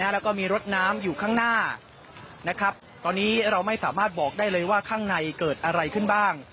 แล้วก็มีรถน้ำอยู่ข้างหน้าตอนนี้เราไม่สามารถบอกได้เลยว่าข้างในเกิดอะไรขึ้นบ้าง